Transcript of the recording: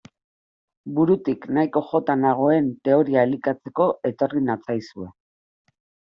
Burutik nahiko jota nagoen teoria elikatzeko etorri natzaizue.